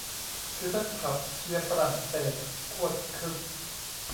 คือทั้งผับเชียร์ฝรั่งเศส โคตรคึก